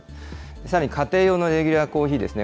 さらに家庭用のレギュラーコーヒーですね。